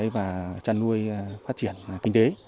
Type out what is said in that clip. và trăn nuôi phát triển kinh tế